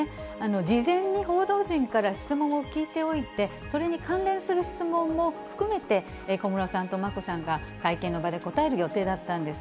事前に報道陣から質問を聞いておいて、それに関連する質問も含めて、小室さんと眞子さんが会見の場で答える予定だったんです。